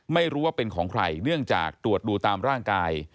ไม่รู้ว่าเป็นของใครเนื่องจากตรวจดูตามร่างกาย